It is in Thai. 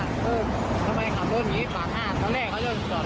มีพื้นที่เปิดประตูลทำทางสองข้าง